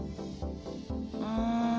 うん。